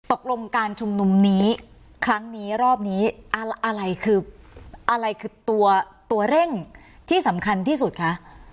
ตกลงการชุมนุมนี้ครั้งนี้รอบนี้อะไรคืออะไรคือตัวตัวเร่งที่สำคัญที่สุดคะ